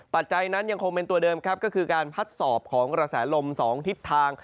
ปัจจัยนั้นยังคงเป็นตัวเดิมครับก็คือการพัดสอบของกระแสลม๒ทิศทาง